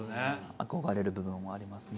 憧れる部分はありますね。